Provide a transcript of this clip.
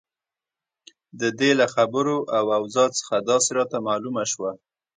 د دې له خبرو او اوضاع څخه داسې راته معلومه شوه.